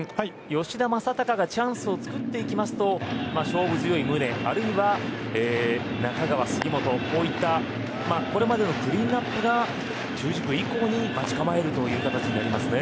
吉田正尚がチャンスをつくっていきますと勝負強い宗あるいは中川、杉本こういったこれまでのクリーンアップが中軸以降に待ち構えるという形になりますね。